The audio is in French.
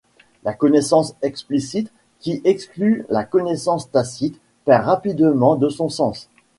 La connaissance explicite qui exclut la connaissance tacite perd rapidement de son sens.